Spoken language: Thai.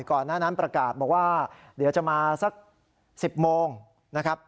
ก่อนหน้านั้นประกาศบอกว่าเดี๋ยวจะมาสัก๑๐โมงนะครับ